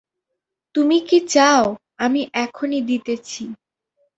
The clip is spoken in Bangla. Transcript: তুমি কি চাও আমি এখনি দিতেছি।